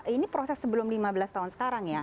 ini proses sebelum lima belas tahun sekarang ya